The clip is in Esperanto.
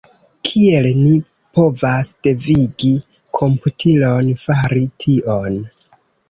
Kiel ni povas devigi komputilon fari tion?